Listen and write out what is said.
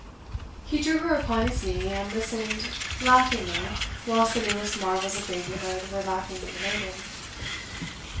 He drew her upon his knee, and listened laughingly whilst the newest marvels of babyhood were laughingly related.